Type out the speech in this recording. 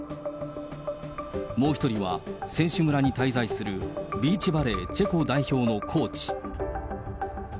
もう１人は、選手村に滞在するビーチバレー、チェコ代表のコーチ。